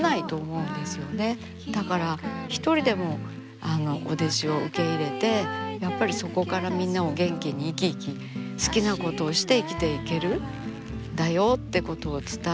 だから一人でもお弟子を受け入れてやっぱりそこからみんなを元気に生き生き好きなことをして生きていけるんだよってことを伝えられればなあって。